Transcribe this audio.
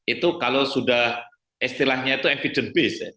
itu kalau sudah istilahnya itu evidence base